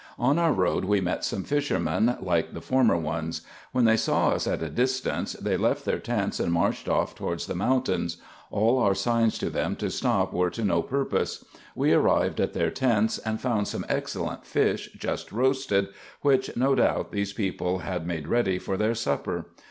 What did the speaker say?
On our road we met some fishermen, like the former ones. When they saw us at a distance, they left their tents and marched off towards the mountains ; all our signs to them to stop were to no purpose. We arrived at their tents, and found some excellent fish just roasted, which, no doubt, these people had made ready for their supper.